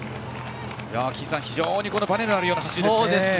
金さん、非常にばねのあるような走りですね。